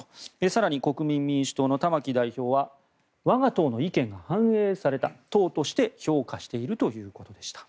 更に、国民民主党の玉木代表は我が党の意見が反映された党として評価しているということでした。